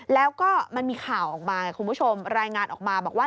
แล้วก็มันมีข่าวออกมาไงคุณผู้ชมรายงานออกมาบอกว่า